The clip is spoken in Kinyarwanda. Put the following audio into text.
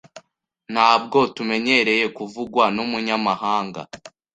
Ntabwo tumenyereye kuvugwa numunyamahanga.